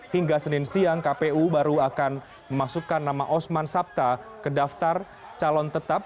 hingga senin siang kpu baru akan memasukkan nama osman sabta ke daftar calon tetap